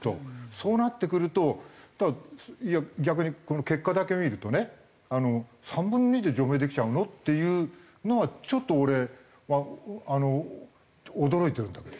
そうなってくると逆にこの結果だけ見るとね３分の２で除名できちゃうの？っていうのはちょっと俺は驚いてるんだけど。